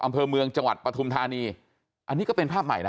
อำเภอเมืองจังหวัดปฐุมธานีอันนี้ก็เป็นภาพใหม่นะ